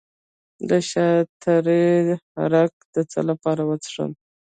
د شاه تره عرق د څه لپاره وڅښم؟